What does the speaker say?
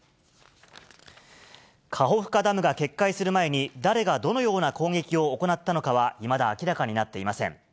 カホフカダムが決壊する前に、誰がどのような攻撃を行ったのかはいまだ明らかになっていません。